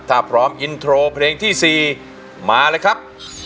ถ้าพร้อมอินโทรเพลงที่๔มาเลยครับ